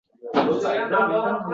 Hayot bu ishdan boshqa narsa emas